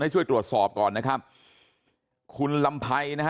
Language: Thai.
ช่วยตรวจสอบก่อนนะครับคุณลำไพรนะฮะ